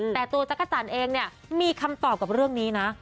แต่ตัวจักรจันทร์เองเนี่ยมีคำตอบกับเรื่องนี้นะ